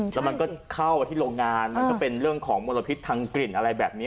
แล้วมันก็เข้ามาที่โรงงานมันก็เป็นเรื่องของมลพิษทางกลิ่นอะไรแบบนี้